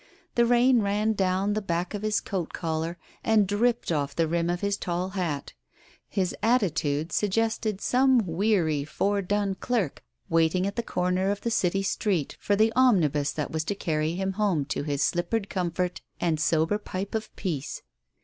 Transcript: The rain ran down the back of his coat collar, and dripped off the rim of his tall hat. His attitude suggested some weary foredone clerk waiting at the corner of the city street for the omnibus that was to carry him home to his slippered comfort and sober pipe of Digitized by Google THE COACH 133 peace.